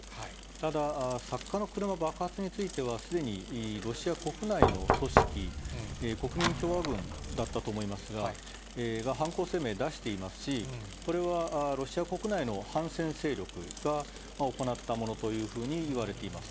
ただ、作家の車爆発については、すでにロシア国内の組織、国民共和軍だったと思いますが、犯行声明を出していますし、これはロシア国内の反戦勢力が行ったものというふうにいわれています。